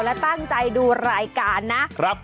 และตั้งใจดูรายการนะครับ